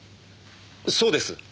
そうです。